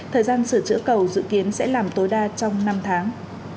thời gian sửa chữa cầu dự kiến sẽ làm tối đa trong năm tháng